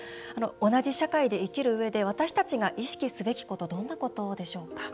同じ社会で生きるうえで私たちが意識すべきことどんなことでしょうか？